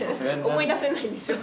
思い出せないんでしょ。